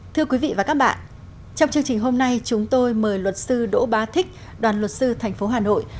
thưa quý vị và các bạn trong chương trình hôm nay chúng tôi mời luật sư đỗ ba thích đoàn luật sư tp hà nội